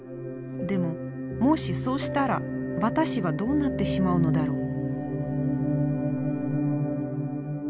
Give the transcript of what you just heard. でももしそうしたら私はどうなってしまうのだろう。